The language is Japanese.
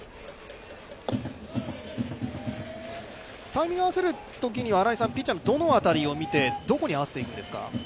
タイミングを合わせるときには、ピッチャーのどこを見て、どこに合わせていくんですか。